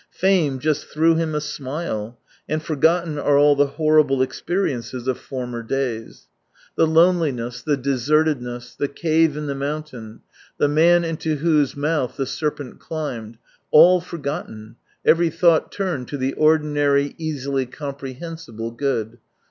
Fame just threw him a smile, and forgotten are all the horrible experiences of former days. The loneliness, 186 the desertedness, the cave in the mountain, the man into whose mouth the serpent climbed — all forgotten, every thought turned to the ordinary, easily comprehensible good.